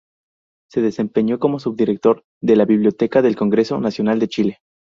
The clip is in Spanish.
Se desempeñó como subdirector de la Biblioteca del Congreso Nacional de Chile.